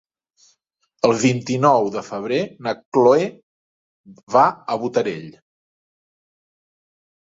El vint-i-nou de febrer na Chloé va a Botarell.